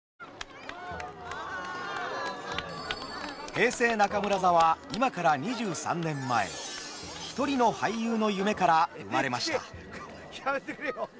平成中村座は今から２３年前１人の俳優の夢から生まれました。